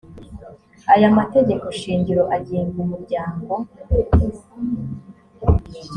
aya mategeko shingiro agenga umuryango